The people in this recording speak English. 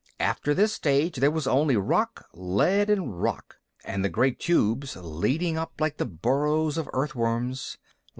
After this stage there was only rock, lead and rock, and the great tubes leading up like the burrows of earthworms.